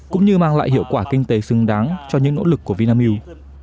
cũng như mang lại hiệu quả kinh tế xứng đáng cho những nỗ lực của vinamilk